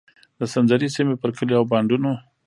د سنځري سیمې پر کلیو او بانډونو.